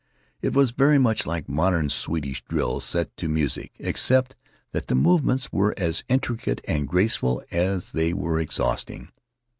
It was very much like modern Swedish drill set to music, except that the movements were as intricate and graceful as they were exhausting.